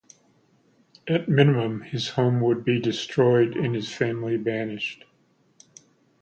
At minimum his home would be destroyed and his family banished.